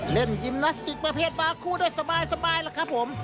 เล่นงิมนาสติกประเภทบาคูได้สบายเลยครับผม